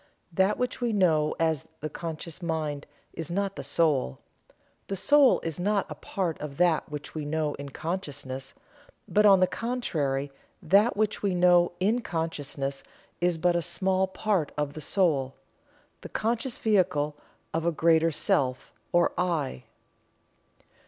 That which we know as the "conscious mind" is not the Soul. The Soul is not a part of that which we know in consciousness, but, on the contrary, that which we know in consciousness is but a small part of the Soul the conscious vehicle of a greater Self, or "I."